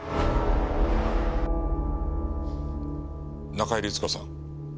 中井律子さん。